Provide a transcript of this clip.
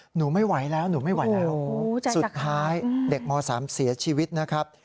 หนูไม่ไหวแล้วหนูไม่ไหวแล้วสุดท้ายเด็กม๓เสียชีวิตนะครับ